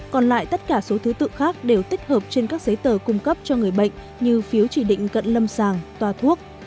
còn lại tất cả số thứ tự khác đều tích hợp trên các giấy tờ cung cấp cho người bệnh như phiếu chỉ định cận lâm sàng toa thuốc